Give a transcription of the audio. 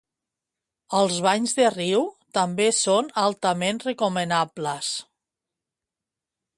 Els banys de riu també són altament recomanables.